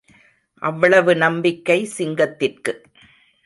அவ்வளவு நம்பிக்கை சிங்கத்திற்கு!